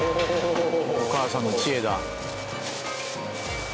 お母さんの知恵だ。